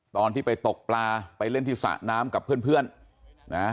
ตอนที่ไปตกปลาไปเล่นที่สระน้ำกับเพื่อนนะ